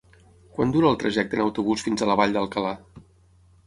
Quant dura el trajecte en autobús fins a la Vall d'Alcalà?